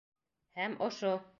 ...Һәм ошо!